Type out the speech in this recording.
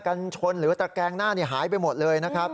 กันชนหรือว่าตะแกงหน้าหายไปหมดเลยนะครับ